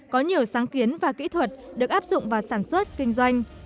có nhiều sáng kiến và kỹ thuật được áp dụng vào sản xuất kinh doanh